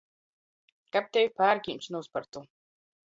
Kab tevi pārkiuņs nūspartu!